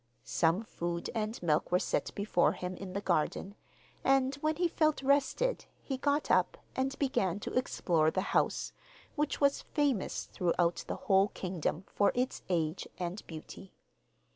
Some food and milk were set before him in the garden, and when he felt rested he got up, and began to explore the house, which was famous throughout the whole kingdom for its age and beauty.